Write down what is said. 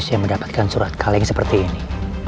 saya mendapatkan surat kaleng seperti ini